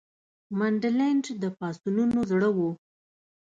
منډلینډ د پاڅونونو زړه وو.